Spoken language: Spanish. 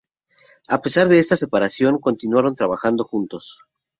A pesar de esta separación, continuaron trabajando juntos.